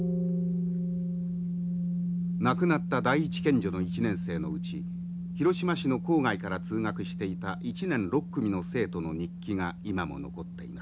亡くなった第一県女の１年生のうち広島市の郊外から通学していた１年６組の生徒の日記が今も残っています。